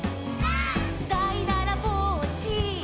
「」「だいだらぼっち」「」